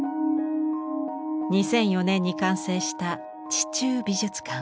２００４年に完成した「地中美術館」。